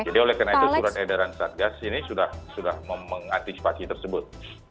jadi oleh karena itu surat edaran satgas ini sudah mengantisipasi tersebut